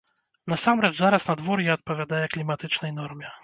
Насамрэч зараз надвор'е адпавядае кліматычнай норме.